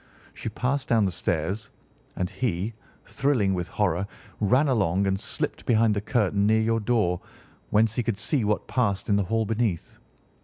She passed down the stairs, and he, thrilling with horror, ran along and slipped behind the curtain near your door, whence he could see what passed in the hall beneath.